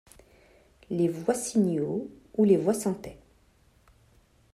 Les Voissigniauds, ou les Voissantais.